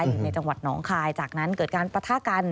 อยู่ในจังหวัดหนองคายจากนั้นเกิดการปะทะกัน